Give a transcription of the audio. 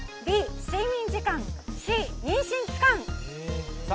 Ｂ、睡眠時間Ｃ、妊娠期間